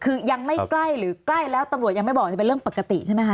คือยังไม่ใกล้หรือใกล้แล้วตำรวจยังไม่บอกจะเป็นเรื่องปกติใช่ไหมคะ